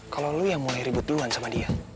kalau lo yang mulai ribut duluan sama dia